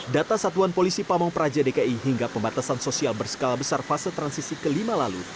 data satuan polisi pamung praja dki hingga pembatasan sosial berskala besar fase transisi kelima lalu